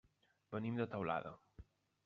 Venim de Teulada.